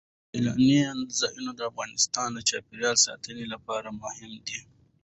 سیلانی ځایونه د افغانستان د چاپیریال ساتنې لپاره مهم دي.